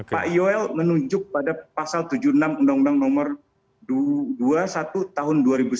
pak yoel menunjuk pada pasal tujuh puluh enam undang undang nomor dua puluh satu tahun dua ribu sembilan